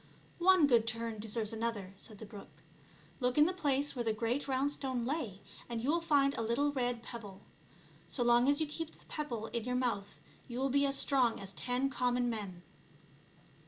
" One good turn deserves another," said the brook. " Look in the place where the great round stone lay and you will find a little red pebble ; so long as you keep that pebble in your mouth you will be as strong as ten common men."